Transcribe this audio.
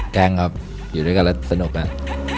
แกล้งครับอยู่ด้วยกันแล้วสนุกอ่ะ